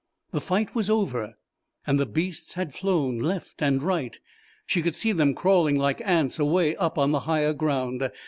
The fight was over and the beasts had flown, left and right, she could see them crawling like ants away up on the higher ground.